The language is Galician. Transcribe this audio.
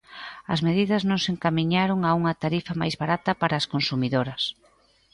As medidas non se encamiñaron a unha tarifa máis barata para as consumidoras.